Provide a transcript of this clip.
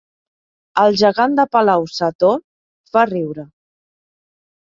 El gegant de Palau-sator fa riure